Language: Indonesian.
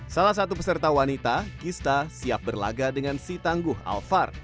salah satu peserta wanita gista siap berlaga dengan si tangguh alphard